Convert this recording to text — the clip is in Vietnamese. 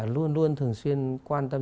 luôn luôn thường xuyên quan tâm